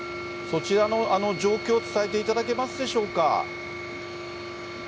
そちらの状況を伝えていただけますでしょうか。